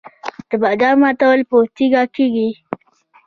د بادامو ماتول په تیږه کیږي.